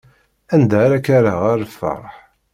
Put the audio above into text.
Anda ara k-rreɣ a lferḥ?